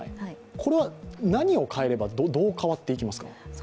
これは何を変えれば、どう変わっていきますか。